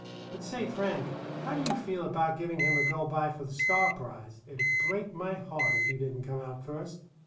"But say, Frank, how do you feel about giving him the go by for the Starr prize? It 'ud break my heart if you didn't come out first."